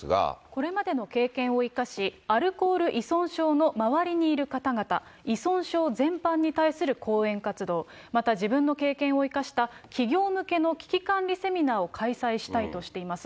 これまでの経験を生かし、アルコール依存症の周りにいる方々、依存症全般に対する講演活動、また自分の経験を生かした企業向けの危機管理セミナーを開催したいとしています。